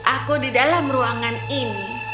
aku di dalam ruangan ini